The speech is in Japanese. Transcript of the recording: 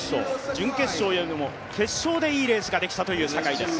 準決勝よりも決勝でいいレースができたという坂井です。